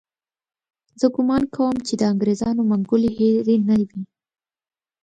زه ګومان کوم چې د انګریزانو منګولې هېرې نه وي.